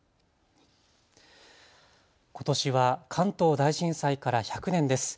ことしは関東大震災から１００年です。